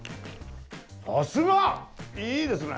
さすが！いいですね！